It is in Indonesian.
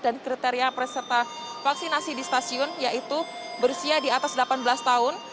dan kriteria perserta vaksinasi di stasiun yaitu berusia di atas delapan belas tahun